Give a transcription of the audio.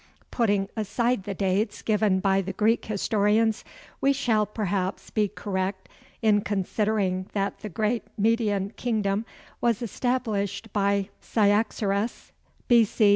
Putting aside the dates given by the Greek historians, we shall perhaps be correct in considering that the great Median kingdom was established by Cyaxares, B.C.